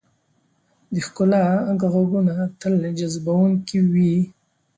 د ښکلا ږغونه تل جذبونکي وي.